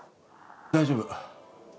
大丈夫。